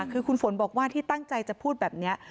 คือคุณฝนบอกว่าที่ตั้งใจจะพูดแบบนี้